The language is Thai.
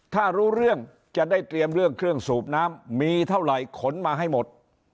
ถ้ารู้เรื่องจะได้เตรียมเรื่องเครื่องสูบน้ำมีเท่าไหร่ขนมาให้หมด